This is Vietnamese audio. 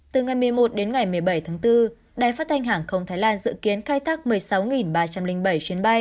từ ngày một mươi một đến ngày một mươi bảy tháng bốn đài phát thanh hàng không thái lan dự kiến khai thác